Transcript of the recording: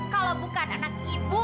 kalau bukan anak ibu